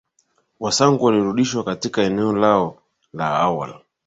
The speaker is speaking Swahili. Wasangu walirudishwa katika eneo lao la awali